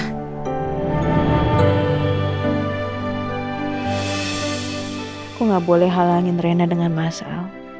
aku ga boleh halangin rena dengan mas al